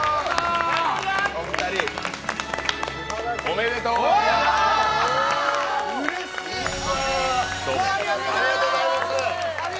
おめでとうございます。